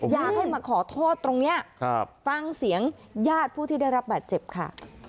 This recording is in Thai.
อยากให้มาขอโทษตรงนี้ฟังเสียงญาติผู้ที่ได้รับบาดเจ็บค่ะ